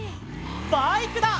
バイクだ！